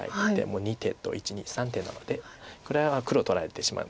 もう２手と１２３手なのでこれは黒取られてしまいます。